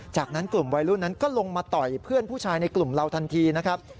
จากนั้นกลุ่มวัยรุ่นนั้นก็ลงมาต่อยเพื่อนผู้ชายในกลุ่มเราทันทีนะครับ